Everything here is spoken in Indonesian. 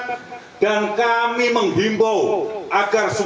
apa yang sudah diputuskan oleh pengadilan negeri jakarta pusat